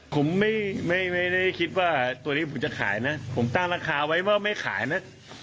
ผมไม่ได้คิดว่าตัวนี้ผมจะขายนะผมตั้งราคาไว้ว่าไม่ขายนะ